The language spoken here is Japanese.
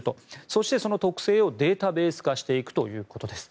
そして、その特性をデータベース化していくということです。